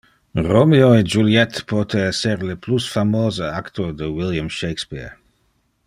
Romeo e Juliette pote ser le plus famose acto de William Shakespeare.